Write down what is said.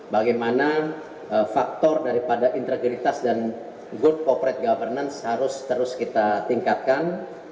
bagaimana faktor daripada integritas dan good corporate governance harus terus kita tingkatkan